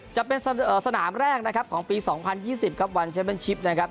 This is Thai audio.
จะเป็นสนามแรกนะครับของปีสองพันยี่สิบครับวันแชมเป็นชิปนะครับ